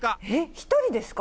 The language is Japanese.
１人ですか？